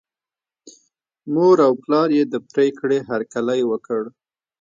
مور او پلار یې د پرېکړې هرکلی وکړ.